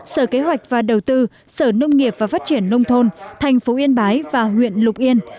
sở kế hoạch và đầu tư sở nông nghiệp và phát triển nông thôn thành phố yên bái và huyện lục yên